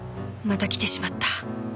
また来てしまった